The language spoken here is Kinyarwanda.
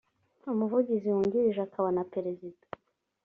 umuvugizi wungirije akaba na perezida